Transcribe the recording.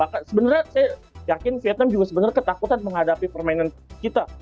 sebenarnya saya yakin vietnam juga sebenarnya ketakutan menghadapi permainan kita